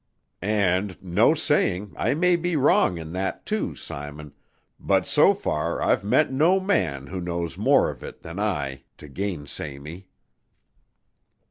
And, no saying, I may be wrong in that, too, Simon, but so far I've met no man who knows more of it than I to gainsay me.